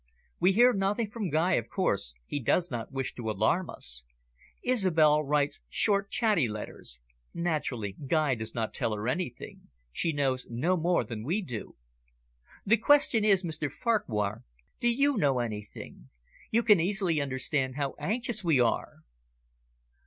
We hear nothing from Guy, of course, he does not wish to alarm us. Isobel writes short, chatty letters; naturally Guy does not tell her anything; she knows no more than we do. The question is, Mr Farquhar, do you know anything? You can easily understand how anxious we are."